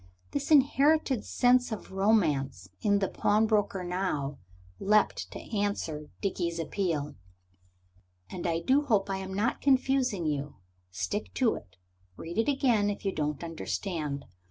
This inherited sense of romance in the pawnbroker now leaped to answer Dickie's appeal. (And I do hope I am not confusing you; stick to it; read it again if you don't understand.